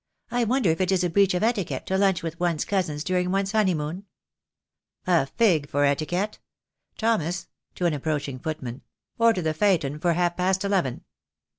"I wonder if it is a breach of etiquette to lunch with one's cousins during one's honeymoon?" "A fig for etiquette. Thomas," to an approaching footman, "order the phaeton for half past eleven."